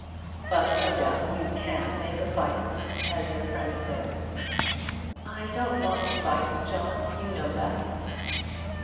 "But no doubt you can make a fight, as your friend says." "I don't want to fight, John; you know that."